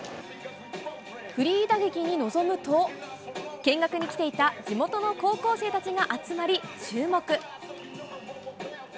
フリー打撃に臨むと、見学に来ていた地元の高校生たちが集まり、注目。